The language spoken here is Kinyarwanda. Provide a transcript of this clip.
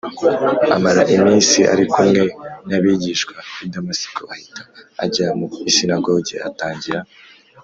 Amara iminsi ari kumwe n abigishwa i Damasiko ahita ajya mu isinagogi atangira